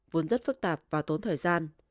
vốn rất phức tạp và tốn thời gian